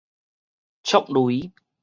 觸雷